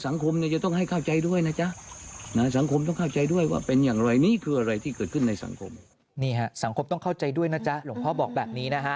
นี่ฮะสังคมต้องเข้าใจด้วยนะจ๊ะหลวงพ่อบอกแบบนี้นะฮะ